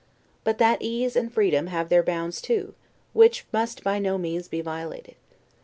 But that ease and freedom have their bounds too, which must by no means be violated.